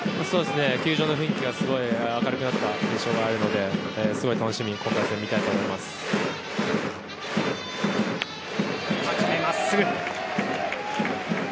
球場の雰囲気がすごい明るくなった印象があるのですごい楽しみにこの対戦を見たいと思います。